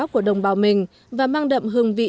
của đồng bào mình và mang đậm hương vị